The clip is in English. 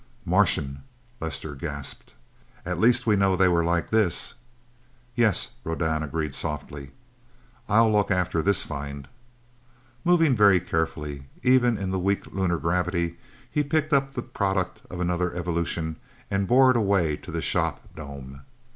"Martian!" Lester gasped. "At least we know that they were like this!" "Yes," Rodan agreed softly. "I'll look after this find." Moving very carefully, even in the weak lunar gravity, he picked up the product of another evolution and bore it away to the shop dome.